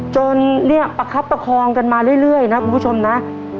จนเนี่ยประคับประคองกันมาเรื่อยนะคุณผู้ชมนะ